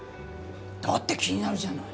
だって気になるじゃない。